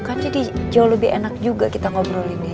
kan jadi jauh lebih enak juga kita ngobrolin ya